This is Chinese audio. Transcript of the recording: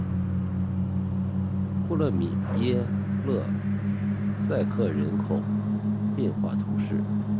库勒米耶勒塞克人口变化图示